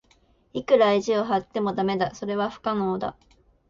いくら意地を張っても駄目だ。それは不可能だ。